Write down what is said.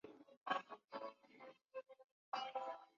塔翁是南非西北省的一个小镇。